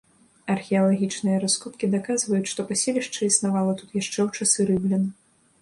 Археалагічныя раскопкі даказваюць, што паселішча існавала тут яшчэ ў часы рымлян.